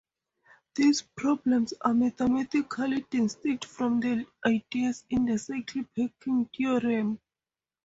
These problems are mathematically distinct from the ideas in the circle packing theorem.